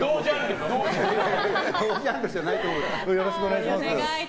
よろしくお願いします。